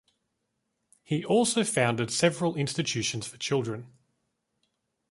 He also founded several institutions for children.